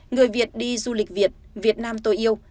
người việt đi du lịch việt việt nam tôi yêu